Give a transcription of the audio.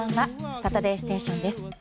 「サタデーステーション」です。